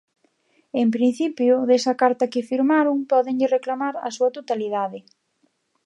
En principio, desa carta que firmaron pódenlle reclamar a súa totalidade.